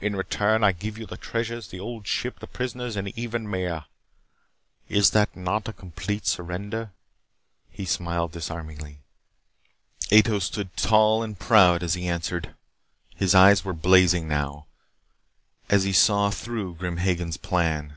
In return, I give you the treasures, the Old Ship, the prisoners, and even Maya. Is not that complete surrender?" He smiled disarmingly. Ato stood tall and proud as he answered. His eyes were blazing now, as he saw through Grim Hagen's plan.